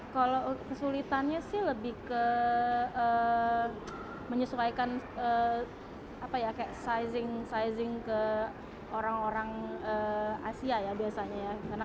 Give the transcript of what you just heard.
kalau kesulitannya sih lebih ke menyesuaikan sizing ke orang orang asia ya biasanya ya